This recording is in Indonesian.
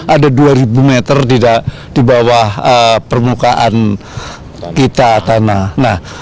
ada dua ribu meter di bawah permukaan kita tanah